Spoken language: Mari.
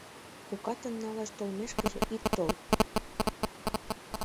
Кокатын налаш толмешкыже ит тол.